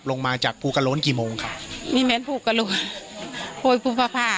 ปกติพี่สาวเราเนี่ยครับเป็นคนเชี่ยวชาญในเส้นทางป่าทางนี้อยู่แล้วหรือเปล่าครับ